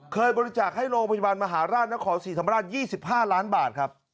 บริจาคให้โรงพยาบาลมหาราชนครศรีธรรมราช๒๕ล้านบาทครับ